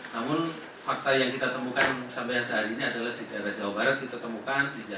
namun fakta yang kita temukan sampai hari ini adalah di daerah jawa barat kita temukan tiga